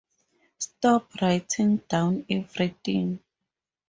Stop writing down everything!